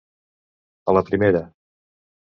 A la primera.